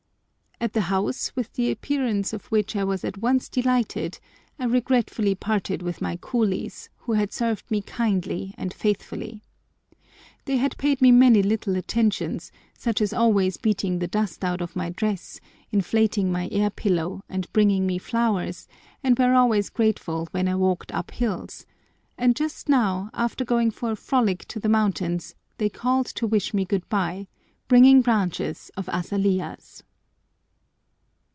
At the house, with the appearance of which I was at once delighted, I regretfully parted with my coolies, who had served me kindly and faithfully. They had paid me many little attentions, such as always beating the dust out of my dress, inflating my air pillow, and bringing me flowers, and were always grateful when I walked up hills; and just now, after going for a frolic to the mountains, they called to wish me good bye, bringing branches of azaleas.